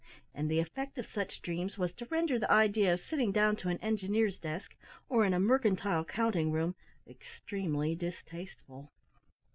And the effect of such dreams was to render the idea of sitting down to an engineer's desk, or in a mercantile counting room, extremely distasteful.